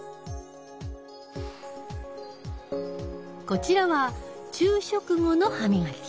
こちらは昼食後の歯みがき。